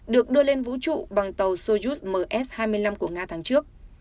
được đưa lên vũ trụ bằng tàu sojuz ms hai mươi năm của nga tháng trước